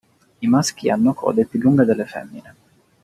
I maschi hanno code più lunghe delle femmine.